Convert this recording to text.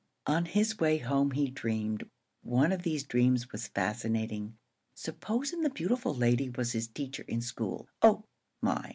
On his way home he dreamed. One of these dreams was fascinating. Supposing the beautiful lady was his teacher in school! Oh, my!